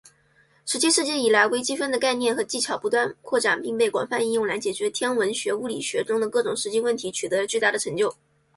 十七世纪以来，微积分的概念和技巧不断扩展并被广泛应用来解决天文学、物理学中的各种实际问题，取得了巨大的成就。